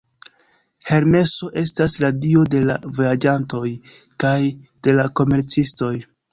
Hermeso estas la dio de la vojaĝantoj kaj de la komercistoj.